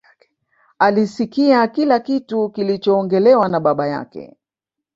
Alisikia kila kitu kilichoongelewa na baba yake